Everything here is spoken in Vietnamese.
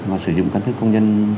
và sử dụng căn cức công dân